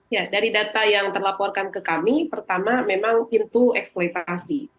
ya dari data yang terlaporkan ke kami pertama memang pintu eksploitasi